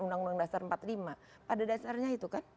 undang undang dasar empat puluh lima pada dasarnya itu kan